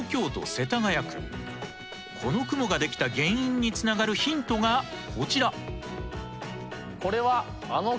この雲ができた原因につながるヒントがこちら。